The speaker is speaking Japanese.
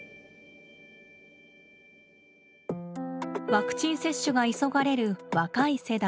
ワクチン接種が急がれる若い世代。